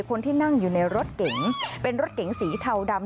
คนที่นั่งอยู่ในรถเก๋งเป็นรถเก๋งสีเทาดำ